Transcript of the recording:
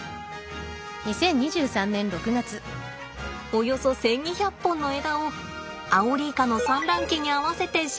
およそ１，２００本の枝をアオリイカの産卵期に合わせて沈めました。